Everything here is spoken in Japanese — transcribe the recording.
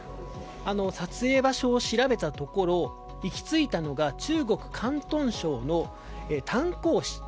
撮影場所を調べたところ行き着いたのが中国・広東省の湛江市。